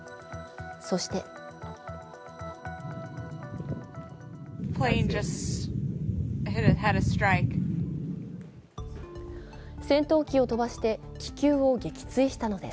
そして戦闘機を飛ばして気球を撃墜したのです。